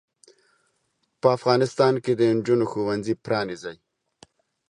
په افغانستان کې د انجونو ښوونځې پرانځئ.